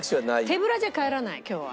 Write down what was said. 手ぶらじゃ帰らない今日は。